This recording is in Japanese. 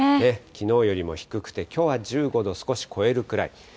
きのうよりも低くて、きょうは１５度少し超えるくらい。